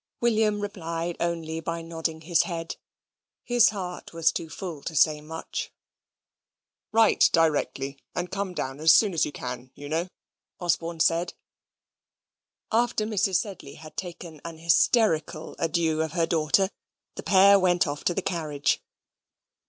William replied only by nodding his head. His heart was too full to say much. "Write directly, and come down as soon as you can, you know," Osborne said. After Mrs. Sedley had taken an hysterical adieu of her daughter, the pair went off to the carriage.